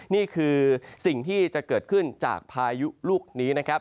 นี่คือสิ่งที่จะเกิดขึ้นจากพายุลูกนี้นะครับ